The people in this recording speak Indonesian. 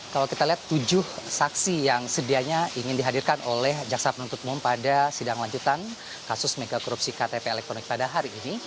kalau kita lihat tujuh saksi yang sedianya ingin dihadirkan oleh jaksa penuntut umum pada sidang lanjutan kasus megakorupsi ktp elektronik pada hari ini